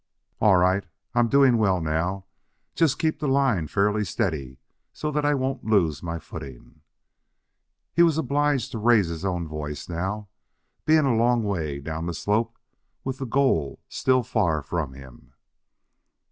"All right. I'm doing well now. Just keep the line fairly steady so that I won't lose my footing." He was obliged to raise his voice now, being a long way down the slope, with the goal still far from him.